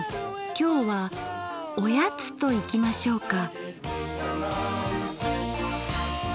今日はおやつといきましょうか。